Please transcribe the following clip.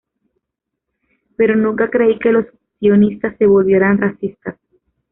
Pero nunca creí que los sionistas se volvieran racistas.